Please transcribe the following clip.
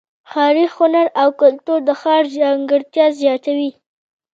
ښاري هنر او کلتور د ښار ځانګړتیا زیاتوي.